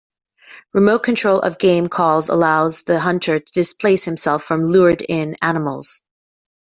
Remote control of game calls allows the hunter to displace himself from lured-in animals.